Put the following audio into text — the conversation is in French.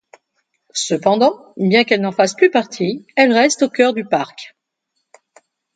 Cependant, bien qu'elle n'en fasse plus partie, elle reste au cœur du parc.